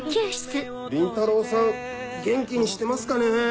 倫太郎さん元気にしてますかね？